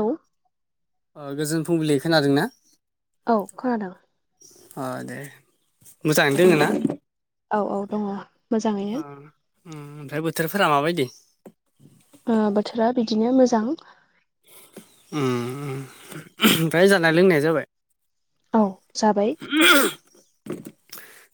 औ ओ गोजोन फुंबिलि खोनादों ना? औ खोनादों। ओ दे। मोजाङैनो दोङो ना नोंथांनि औ औ दङ'। मोजाङैनो आ ओम ओमफ्राय बोथोरफोरा माबायदि? अ बोथोरा बिदिनो मोजां। उम ओमफ्राय जानाय लोंनाया जाबाय? औ जाबाय।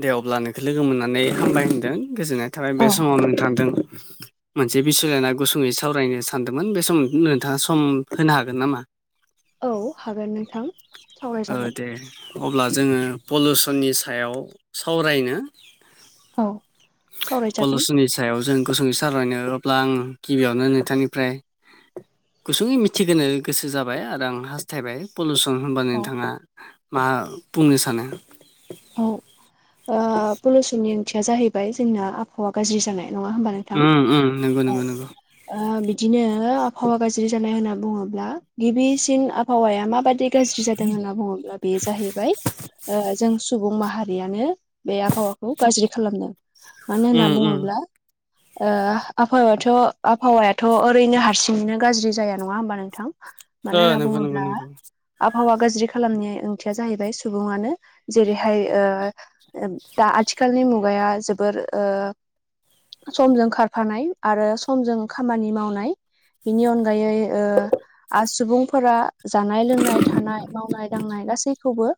दे अब्ला नोंखो लोगो मोननानै हामबाय होनदों। गोजोननाय थाबाय बे औ समाव नोंथांजों। मोनसे बिसय लाना गुसुंङै सावरायनो सानदोंमोन बे समाव नोंथाङा सम होनो हागोन नामा? औ हागोन नोंथां। ओ सावरायजागोन दे अब्ला जोङो पुलोसननि सायाव सावरायनो। औ सावरायजागोन पलुसननि सा याव जों गुसुंङै सावरायनो अब्ला आं गिबियावनो नोंथांनिफ्राय गुसुंङै मिथिहोनो गोसो जाबाय आरो आं हास्थायबाय पुलुसन होनबा नों औ थाङा मा बुंनो सानो? औ ओ पलुसननि ओंथिया जाहैबाय जोंना आबहावा गाज्रि जानाय नङा होमबा नों थां उम उम नंगौ औ। नंगौ नंगौ ओ बिदिनो आबहावा गाज्रि जानाय होनना बुङोब्ला गिबिसिन आबहावाया माबादि गाज्रि जादों होनना बुङोब्ला बेयो जाहैबाय ओ जों सु बुं माहारियानो बे आबहावाखौ गाज्रि खालामदों मानो उम होनना उम बुङोब्ला? ओ आबहावायाथ' आबहावायाथ' ओरैनो हारसिंङैनो गाज्रि जाया नङा होमबा नोंथां? ओ मानो ना नंगौ नंगौ बुङोब्ला नंगौ आबहावा गाज्रि खालामनाय ओंथिया जाहैबाय सुबुङानो जेरैहाय ओ दा आथिखालनि मुगाया जोबोर ओ समजों खारफानाय आरो समजों खामानि मावनाय। बिनि अनगायै ओ आ सुबुंफोरा जानाय लोंनाय थानाय मावनाय दांनाय गासैखौबो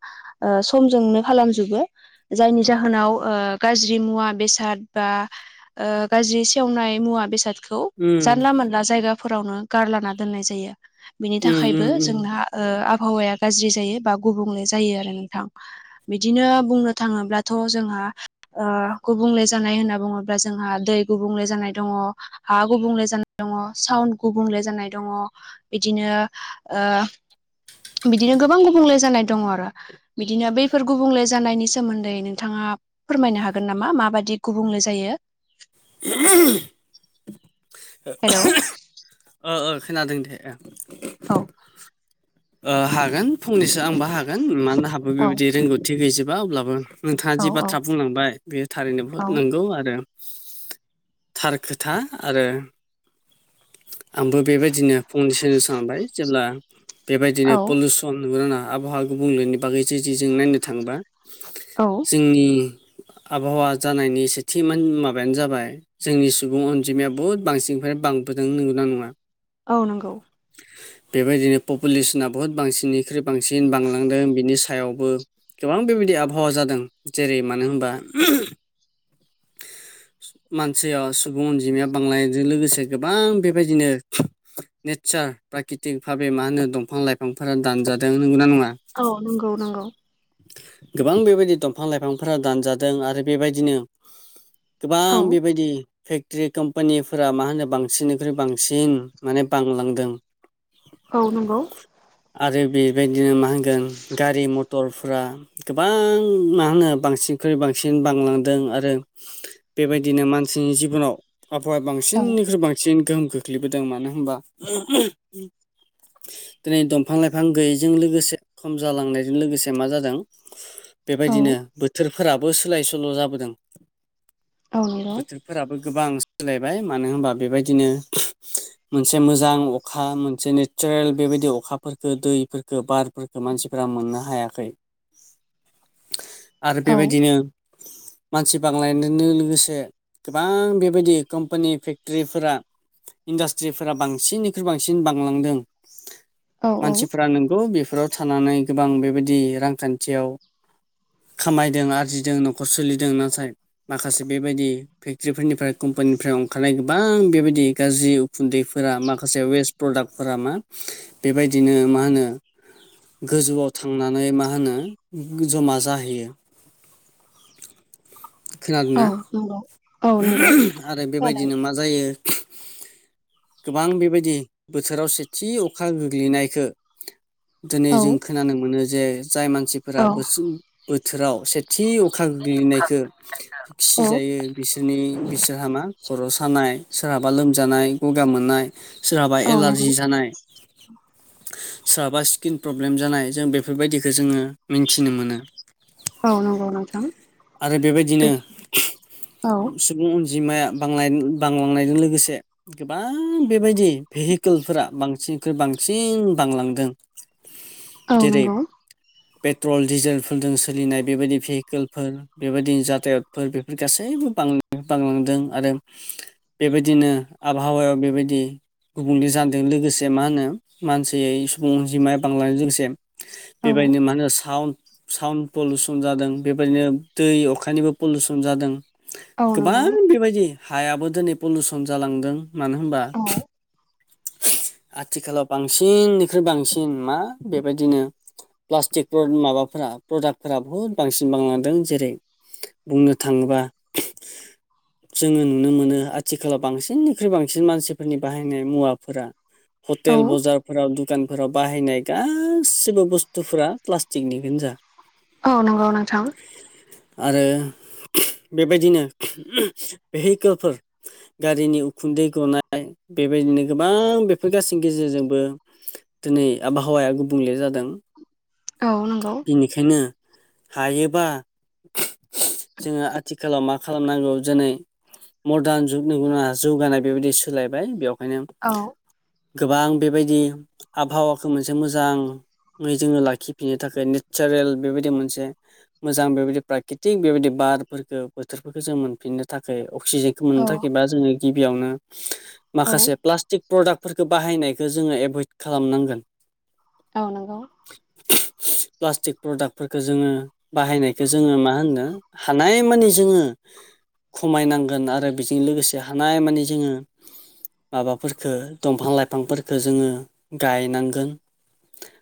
ओ समजोंनो खालामजोबो जायनि जाहोनाव ओ गाज्रि मुवा बेसाद बा ओ गाज्रि सेवनाय मुवा बेसाद खौ उम जानला मोनला जायगाफोरावनो गारलाना दोननाय जायो बिनि उम थाखायबो उम उम जोंना ओ आबहावाया गाज्रि जायो बा गुबुंले जायो आरो नोंथां। बिदिनो बुंनो थाङोब्लाथ' जोंहा ओ गुबुंले जानाय होनना बुङोब्ला जोंहा दै गुबुंले जानाय दङ'। हा गुबुंले जानाय दङ' साउन्ड गुबुंले जानाय दङ' बिदिनो ओ बिदिनो गोबां गुबुंले जानाय दङ' आरो बिदिनो बैफोर गुबुंले जानायनि सोमोन्दै नोंथाङा फोरमायनो हागोन नामा माबादि गुबुंले जायो? [inaudible] हेलौ ओ ओ खोनादों दे ओ औ ओ हागोन फंनैसो आंबो हागोन मानोना आंहाबो औ बेबायदि रोंगौथि गैजोबा अब्लाबो नोंथाङा औ जि औ बाथ्रा बुंलांबाय बेयो थारैनो बहुद औ नंगौ आरो थार खोथा आरो आंबो बेबायदिनो फंनैसो सानबाय जेब्ला बेबायदिनो औ पुलु सन [unintelligible] आबहावा गुबुंलेनि बागै जुदि जों नायनो थाङोबा औ। जोंनि आबहावा जानायनि सेथि मान माबायानो जाबाय जोंनि सुबुं अनजिमाया बहुद बांसिननिफ्राय बांबोदों नोंगोना नोङा? औ नंगौ। [inaudible] बेबायदिनो पुपुलेसना बहुद बांसिननिख्रुइ बांसिन बांलांदों बिनि सायावबो गोबां बेबायदि आबहावा जादों जेरै मानो होनबा मानसैया सुबुं अनजिमाया बांलांनायजों लोगोसे गोबां बेबायदिनो नेचार फ्राकृतिक भाबे मा होनो दंफां लाइफांफोरा दानजादों नोंगौना नङा? औ नंगौ नंगौ गोबां बेबायदि दंफां लाइफांफोरा दानजादों आरो बेबायदिनो औ गोबां बेबायदि फेकट्री कम्पानिफोरा मा होनो बांसिननिख्रुइ बांसिन माने बांलांदों। [inaudible] औ नंगौ आरो बेबायदिनो मा होनगोन गारि मथरफ्रा गोबां मा होनो बांसिनख्रुइ बांसिन बांलांदों आ रो बेबायदिनो मानसिनि जिबनाव आबहावाया औ बांसिननिख्रुइ बां सिन गोहोम खोख्लैबोदों मानो होनबा दिनै दंफां लाइफां गैयैजों लोगोसे खम जालांनायजों लोगोसे मा जादों औ बेबायदिनो बोथोरफोराबो सोलाय सोल' जाबोदों। औ नंगौ बोथोरफोराबो गोबां सोलायबाय मानो होनबा बेबायदिनो मोनसे मोजां अखा मोनसे नेचारेल बेबायदि अखाफोरखो दैफोरखो बार फोरखो मानसिफोरा मोननो हायाखै आरो औ बेबायदिनो मानसि बांलां [unintelligible] लोगोसे गोबां बेबायदि कम्पानि फेक्ट्रीफोरा इन्डास्ट्रिफोरा बांसिननिख्रुइ बांसिन बांलांदों। औ औ मानसिफ्रा नोंगौ बेफोराव थानानै गोबां बेबायदि रांखान्थियाव खामायदों आरजिदों न'खर सोलि दों नाथाय माखासे बेबायदि फेक्ट्रिफोरनिफ्राय कम्पानिनिफ्राय अंखारनाय गोबां बेबायदि गाज्रि उखुन्दैफोरा माखासे वेस्ट प्रडाक्टफोरा मा बेबायदिनो मा होनो गोजौआव थांनानै मा होनो जमा जाहैयो औ खोनादोंना नंग आरो बेबायदिनो मा जायो गोबां बेबायदि बोथोराव सेथि अखा गोग्लैनायखो दिनै औ जों खोनानो मोनो जे जाय मानसिफोरा औ बोसो बोथोराव से थि अखा गोग्लैनायखो औ सिजायो बिसिनि बिसोरहा मा खर' सानाय सोरहाबा लोमजानाय गगा मोननाय सोरहाबा औ नंगौ एलार्जि जानाय सोरहाबा स्किन प्रब्लेम जानाय जों बेफोरबायदिखौ जोङो मिनथिनो मोनो। औ नंगौ नोंथां आरो बे बेबायदिनो औ सुबुं अनजिमाया बांनाय बांलांनायजों लोगोसे गोबां बेबायदि भेहिकोलफोरा बांसिन ख्रुय बांसिन बांलांदों औ जेरै नंगौ पेट्रल डिजेलफोरजों सोलिनाय बेबादि भेहिकेलफोर बेबायदि जाथायतफोर बेफोर गासैबो आं बांलांदों आरो हो बेबादिनो आबहावायाव बेबादि गुबुंले जदों लोगोसे मा होनो मानसियै सुबुं अनजिमाया बांलांनायजों [unintelligible] से औ बेबायनो मानो साउन्ड साउड पलुसन जादों बेबायदिनो दै अखानिबो पलुसन जादों। औ नंगौ गोबां बेबायदि हायाबो दिनै पलुसन जालांदों मानो होमबा औ आथिखालाव बांसिननिख्रुइ बांसिन मा बेबायदिनो प्लास्टिक [unintelligible] माबाफोरा प्रदाक्टफोरा बुहुद बांसिन बांलांदों जेरै ओ बुंनो थाङोबा [inaudible] जों नुनो मोनो आथिखालाव बांसिननिख्रुइ बांसिन मानसिफोरनि बाहायनाय मुवाफोरा औ ह'टेल बाजारफोरा दुखान फोराव बाहायनाय गासिबो बुस्थुफोरा प्लास्टिकनि गोनजा औ नोंगौ नोंथां आरो बेबायदिनो उम भेहिकोलफोर गारिनि उखुन्दै गनाय बेबादिनो गोबां बेफोर गासैनि गेजेरजोंबो हो दोनै आबहावाया गुबुंले जादों औ नंगौ बिनिखायनो हायोबा जोङो आथि थिखालाव मा खालामनांगौ जोनै मरदान जुग नोंगौना जौगानाय बेबादि सोलायबाय बेयाव हायनो औ गोबां बेबादि आबहावाखौ मोनसे मोजां ङै जोङो लाखिफिननो थाखाय नेसारेल बेबादि मोनसे मोजां बेबादि प्राकृतिक बेबायदि बार फोरखौ बोथोरफोरखौ जों मोनफिननो थाखाय अक्सिजेनखौ मोननो औ थाखायबा जोङो गिबिआवनो औ माखासे प्लास्टिक प्रडाक्टफोरखौ बाहायनायखौ जोङो एभयड खालाम नांगोन औ नोंगौ उम प्लास्टिक प्रडाक्टफोरखो जोङो बाहायनायखौ जोङो मा होन्नो हानाय मानि जोङो खमायनांगोन आरो बिजों लोगोसे हानाय मानि जोङो माबाफोरखौ दंफां लाइफांफोरखौ जोङो गायनांगोन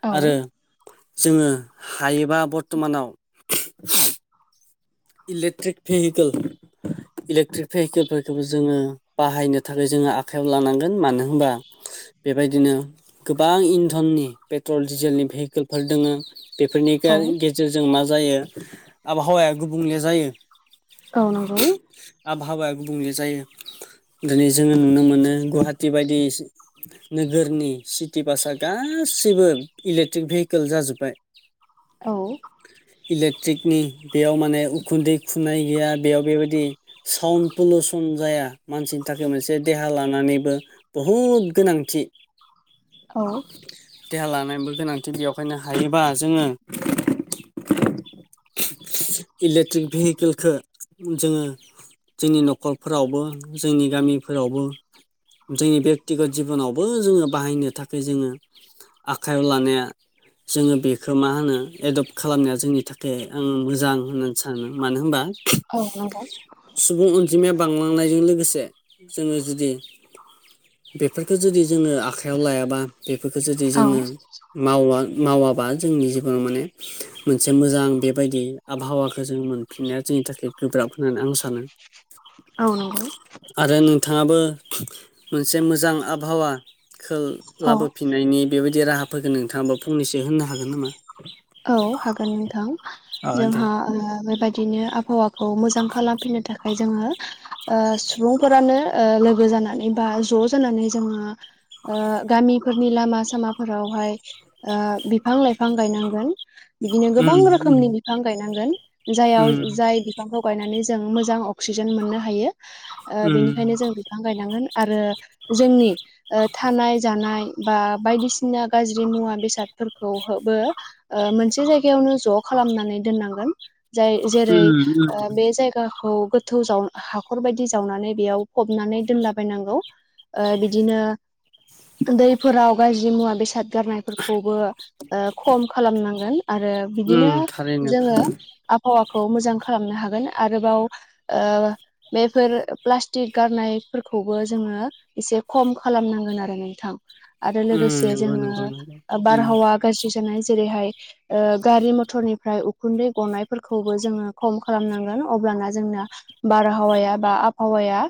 औ आरो जोङो हायोबा बरथमानाव इलेक्ट्रिक भेहिकोल इलेक्ट्रिक भेहिकोलफोरखौबो जोङो बाहायनो थाखाय जोङो आखाइआव लानांगोन मानो होमबा बेबादिनो गोबां इन्धननि पेट्रल डिजेलनि भेहिकोलफोर दोङो बेफोरनि गा औ गेजेरजों मा जायो आबहावाया गुबुंले जायो औ नोंगौ आबहावाया गुबुंले जायो दिनै जोङो नुनो मोनो गुवाहाटि बादि नोगोरनि सिटि बासआ गासैबो इलेक्ट्रिक भेहिकोल जाजोबबाय [inaudible] औ इलेक्ट्रिकनि बेआव माने उखुन्दै खुनाय गैया बेयाव बेबादि साउनट पुलुसन जाया मानसिनि थाखाय मोनसे देहा लानानैबो बुहुद गोनांथि औ देहा लानायनिबो गोनांथि बेआवखायनो हायोबा जोङो इलेक्ट्रिक भिहिकोलखो जोङो जोंनि न'खरफोरावबो जोंनि गामिफोरावबो जोंनि बेक्तिगत जिबनावबो जोङो बाहायनो थाखाय जोङो आखायाव लानाया जोङो बेखो मा होनो एदप्ट खालामनाया जोंनि थाखाय ओं मोजां होननानै सानो। मानो होमबा औ नोंगौ सुबुं अनजिमाया बांलांनायजों लोगोसे जोङो जुदि बेफोरखौ जुदि जोङो आखाइआव लायाबा बेफोरखौ जुदि औ जोङो मावा मावाबा जोंनि जिबनाव माने मोनसे मोजां बेबादि आबहावाखौ जों मोनफिननाया जोंनि थाखाय गोब्राब होननानै आं सानो औ नोंगौ आरो नोंथाङाबो मोनसे मोजां आबहावाखो औ लाबो फि फिनायनि बेबायदि राहाफोरखो नोंथाङाबो फंनैसो होननो हागोन नामा? औ हागोन नोंथां। अ दे जोंहा ओ बेबायदिनो आब हावाखौ मोजां खालामफिननो थाखाय जोङो ओ सुबुंफोरानो लोगो जानानै बा ज' जानानै जोङो ओ गामिफोरनि लामा सामाफोरावहाय ओ बिफां लाइफां गायनांगोन बिदिनो गोबां उम उम रोखोमनि बिफां गायनांगोन जाययाव उम जाय बिफांखौ गायनानै जों मोजां अक्सिजेन मोननो हायो। ओ बेनिखायनो उम जों बिफां गायनांगोन। आरो जोंनि ओ थानाय जानाय बा बायदिसिना गाज्रि मुवा बेसादफोरखौबो ओ मोनसे जायगायावनो ज' खालामनानै दोननांगोन। जाय उम जेरै ओ बे जायगाखौ गो थौ जाव हाखरबायदि जावनानै बेयाव फबनानै दोनला बायनांगौ। बिदिनो दैफोराव गाज्रि मुवा बेसाद द गारनायफोरखौबो ओ खल खालामनांगोन आरो बिदिनो उम थारैनो जोङो थारैनो आबहावाखौ मोजां खालामनो हागोन आरोबाव ओ बेफोर प्लास्टिक गारनायफोरखौबो जोङो एसे खम खालामनांगोन आरो नोंथां आरो लोगोसे उम नंगौ नंगौ जोङो बारहावा गाज्रि जानाय जेरैहाय गारि मथरनि फ्राय उखुन्दै गनायफोरखौबो जोङो खम खालामनांगोन अब्लाना जोंना बारहावाया बा आबहावाया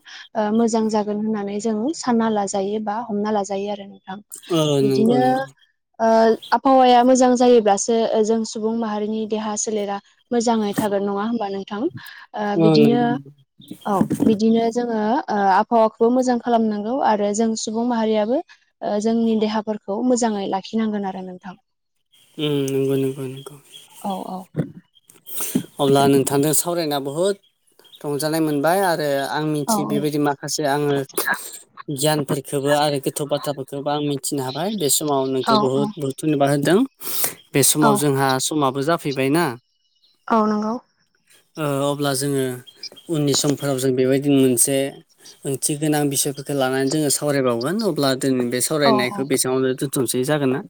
मोजां जागोन होननानै जों सानना लाजायो बा हमना लाजायो आरो नोंथां। नंगौ इदिनो उम आबहावाया मोजां जायोब्लासो जों सुबुं माहारिनि देहा सोलेरा मोजाङै थागोन नङा होमबा नोंथां ओ नंगौ ओ बिदिनो नंगौ औ बिदिनो जोङो ओ आबहावाखौ मोजां खालामनांगौ आरो जों सुबुं माहारियाबो ओ जोंनि देहाफोरखौ मोजाङै लाखिनांगोन आरो नोंथां। उम नंगौ नंगौ नंगौ। औ औ अब्ला नोंथांजों सावरायना बुहुद रंजानाय मोनबाय आरो आं औ मिथियो बेबायदि माखासे आङो गियानफोरखौबो आरो गोथौ बाथ्राफोरखौबो आं मिथिनो हाबाय बे समाव औ नोंखौ बहुत ब धयनबाद होदों बे औ समाव जोंहा समाबो जाफैबायना औ नोंगौ अब्ला जोङो उननि समफोराव जों बेबायदिनो मोनसे ओंथि गोनां बिसयफोरखौ लानानै जोङो सावरायबावगोन अब्ला दिनै बे औ औ सावरायनायखौ बेसेबांवनो दोन्थ'सै जागोन ना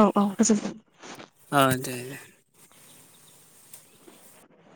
औ औ गोजोनथों अ दे दे